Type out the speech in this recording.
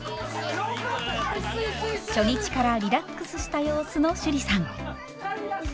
初日からリラックスした様子の趣里さん。